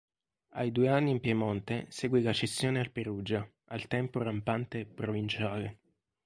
Ai due anni in Piemonte seguì la cessione al Perugia, al tempo rampante "provinciale".